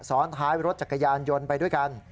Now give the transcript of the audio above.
ซ้อนท้ายรถจักรยานยนต์ไปด้วยกัน